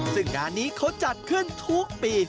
ซึ่งงานนี้เขาจัดขึ้นทุกปี